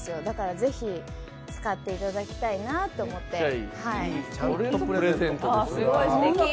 だからぜひ使っていただきたいなと思って。